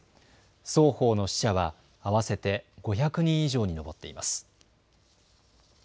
双方の死者は合わせて５００人以上に上っています。